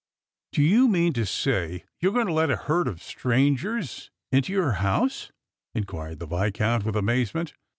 " Do you mean to say you're going to let a herd of strangers mto your house ?" inquired the Viscount with amazement.